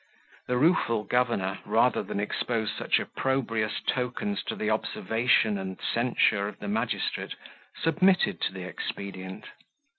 The rueful governor, rather than expose such opprobrious tokens to the observation and censure of the magistrate, submitted to the expedient.